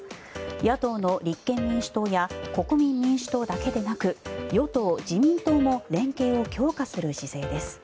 野党の立憲民主党や国民民主党だけでなく与党・自民党も連携を強化する姿勢です。